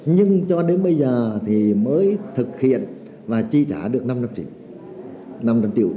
nhưng cho đến bây giờ thì mới thực hiện và chi trả được năm trăm linh triệu